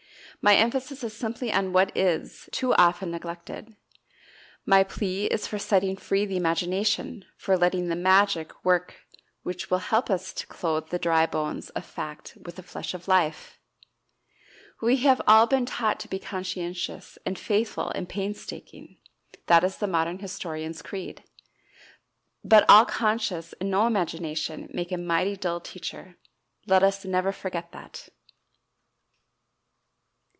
My emphasis is simply on what is, too often neglected; my plea is for setting free the imagination, for letting the "magic" work which will help us to clothe the dry bones of fact with the flesh of life! We have all been taught to be conscientious and faithful and painstaking; that is the modern historian's creed. But all conscience and no imagination make a mighty dull teacher! Let us never forget that.